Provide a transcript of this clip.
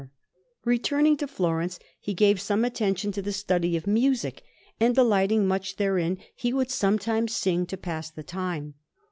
Lucca: Gallery, 12_) Alinari] Returning to Florence, he gave some attention to the study of music; and, delighting much therein, he would sometimes sing to pass the time.